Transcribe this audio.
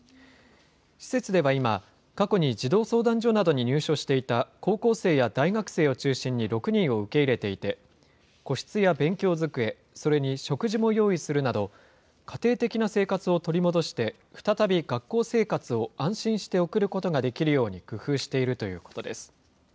施設では今、過去に児童相談所などに入所していた高校生や大学生を中心に６人を受け入れていて、個室や勉強机、それに食事も用意するなど、家庭的な生活を取り戻して、再び学校生活を安心して送ることができるように工夫しているということです。